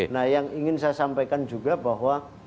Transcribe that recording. nah yang ingin saya sampaikan juga bahwa